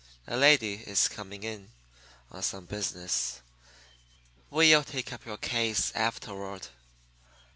A lady is coming in on some business. We'll take up your case afterward."